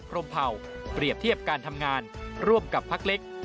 รมเผ่าเปรียบเทียบการทำงานร่วมกับพักเล็ก